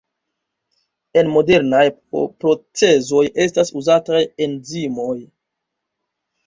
En modernaj procezoj estas uzataj enzimoj.